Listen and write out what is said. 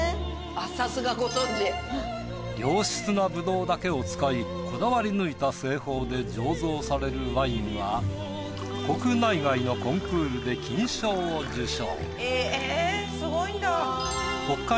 良質なブドウだけを使いこだわりぬいた製法で醸造されるワインは国内外のコンクールで金賞を受賞。